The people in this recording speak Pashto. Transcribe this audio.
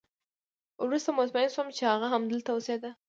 وروسته مطمئن شوم چې هغه همدلته اوسېده